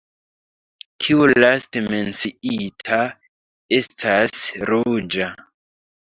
Tiu laste menciita estas ruĝa.